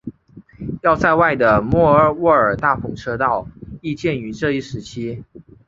要塞外的莫卧尔大篷车道亦建于这一时期。